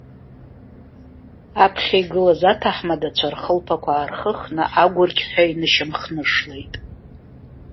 Аԥхьа игылаз аҭаҳмадцәа, рхылԥақәа аархыхны, агәырқьҳәа инышьамхнышлеит.